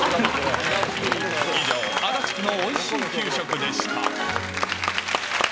以上、足立区のおいしい給食でした。